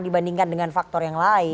dibandingkan dengan faktor yang lain